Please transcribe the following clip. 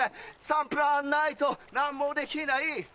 サンプラーないと何もできない